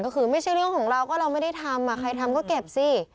ก็คือไม่ใช่เรื่องของเราก็เราไม่ได้ทำใครทำก็เก็บสิ